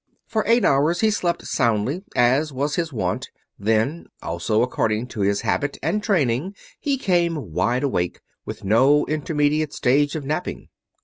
For eight hours he slept soundly, as was his wont, then, also according to his habit and training he came wide awake, with no intermediate stage of napping.